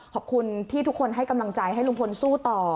ขอบคุณที่ทุกคนให้กำลังใจให้ลุงพลสู้ต่อ